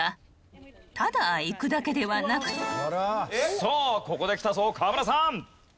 さあここできたぞ河村さん。